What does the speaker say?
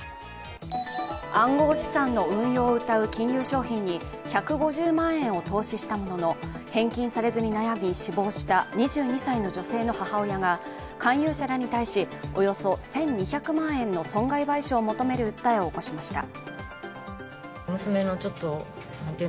暗号資産の運用をうたう金融商品に１５０万円を投資したものの返金されずに悩み死亡した２２歳の女性の母親が勧誘者らに対し、およそ１２００万円の損害賠償を求める訴えを起こしました。